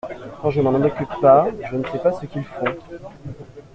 Quand je ne m’en occupe pas je ne sais pas ce qu’ils font.